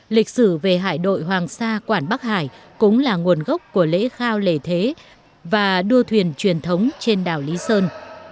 lịch sử về hải đội hoàng sa quản bắc hải cũng là nguồn gốc của lễ khao lễ thế và đua thuyền truyền thống trên đảo lý sơn